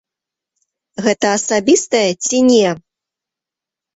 Гэта асабістая ці не?